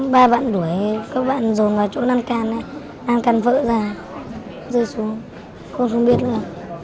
ba bạn đuổi các bạn rồn vào chỗ lan can này lan can vỡ ra rơi xuống con không biết nữa